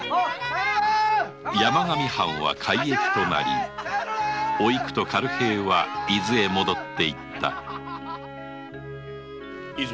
山上藩は改易となりおいくと軽平は伊豆へ戻った和泉。